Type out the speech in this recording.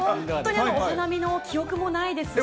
お花見の記憶もないですし。